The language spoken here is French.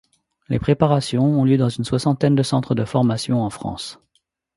Les préparations ont lieu dans une soixantaine de centres de formation en France.